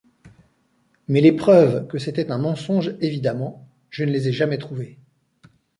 Mais les preuves que c'était un mensonge, évidemment, je ne les ai jamais trouvées.